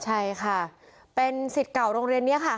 ใช่ค่ะเป็นสิทธิ์เก่าโรงเรียนนี้ค่ะ